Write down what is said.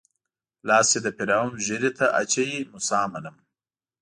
لاس چې د فرعون ږيرې ته اچوي موسی منم.